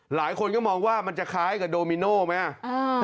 หลายคนก็มองว่ามันจะคล้ายกับโดมิโน่ไหม